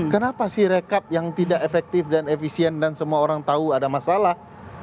kenapa sih rekap yang tidak efektif dan efisien dan semua orang tahu ada masalah